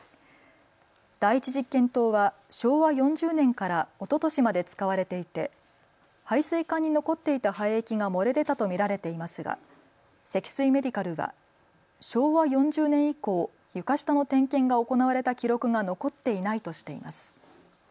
第１実験棟は昭和４０年からおととしまで使われていて排水管に残っていた廃液が漏れ出たと見られていますが積水メディカルは昭和４０年以降床下の点検が行われた記録が残っていないとしています。